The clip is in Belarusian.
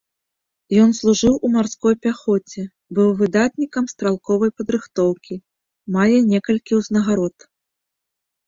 Ён служыў у марской пяхоце, быў выдатнікам стралковай падрыхтоўкі, мае некалькі ўзнагарод.